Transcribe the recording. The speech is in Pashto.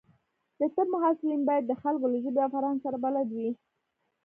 د طب محصلین باید د خلکو له ژبې او فرهنګ سره بلد وي.